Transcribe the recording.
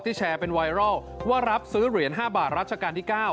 แชร์เป็นไวรัลว่ารับซื้อเหรียญ๕บาทรัชกาลที่๙